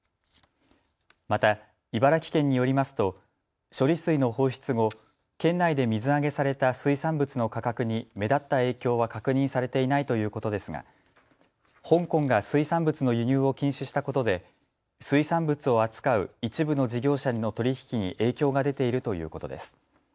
また茨城県によりますと処理水の放出後、県内で水揚げされた水産物の価格に目立った影響は確認されていないということですが香港が水産物の輸入を禁止したことで水産物を扱う一部の事業者の取り引きに影響が出ているということです。